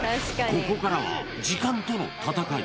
ここからは時間との戦い